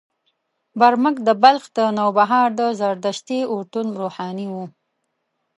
برمک د بلخ د نوبهار د زردشتي اورتون روحاني و.